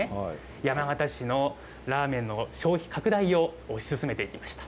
山形市のラーメンの消費拡大を推し進めてきました。